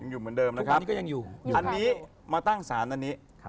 ยังอยู่เหมือนเดิมนะครับอันนี้มาตั้งสานอันนี้